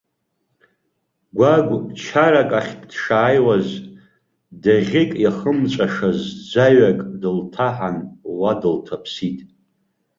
Гәагә чарак ахьтә дшааиуаз, даӷьык иахымҵәашаз ӡаҩак дылҭаҳан, уа дылҭаԥсит.